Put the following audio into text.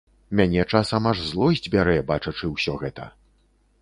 Мяне часам аж злосць бярэ, бачачы ўсё гэта.